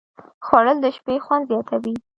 خوړل د شپې خوند زیاتوي